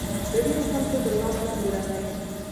د ډېرو خلکو تر واک لاندې راغی.